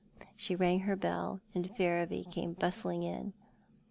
She rang her bell, and Ferriby came bustling in.